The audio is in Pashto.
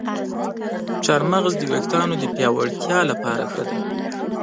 چارمغز د ویښتانو د پیاوړتیا لپاره ښه دی.